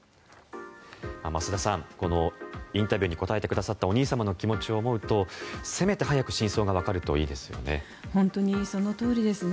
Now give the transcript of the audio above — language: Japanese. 増田さんインタビューに答えてくださったお兄様の気持ちを思うとせめて早く真相がわかるといいですよね。